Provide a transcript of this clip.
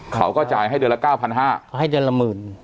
เขาก็จ่ายให้เดือนละเก้าพันห้าเขาให้เดือนละหมื่น